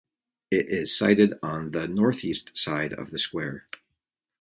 It is sited on the northeast side of the square.